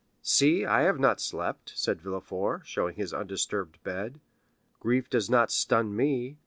"See, I have not slept," said Villefort, showing his undisturbed bed; "grief does not stun me.